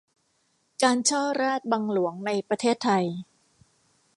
การฉ้อราษฎร์บังหลวงในประเทศไทย